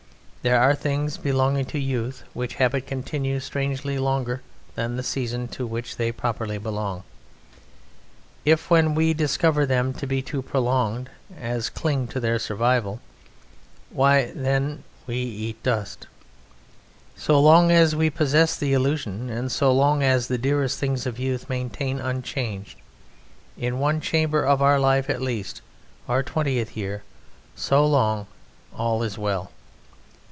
There are things belonging to youth which habit continues strangely longer than the season to which they properly belong: if, when we discover them to be too prolonged as cling to their survival, why, then, we eat dust. So long as we possess the illusion and so long as the dearest things of youth maintain unchanged, in one chamber of our life at least, our twentieth year, so long all is well.